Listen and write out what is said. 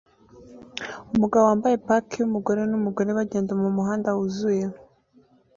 Umugabo wambaye paki yumugore numugore bagenda mumuhanda wuzuye